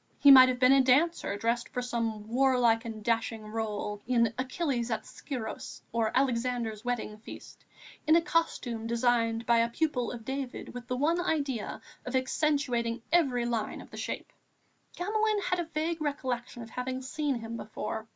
He might have been a dancer dressed for some warlike and dashing rôle, in Achilles at Scyros or Alexander's Wedding feast, in a costume designed by a pupil of David with the one idea of accentuating every line of the shape. Gamelin had a vague recollection of having seen him before.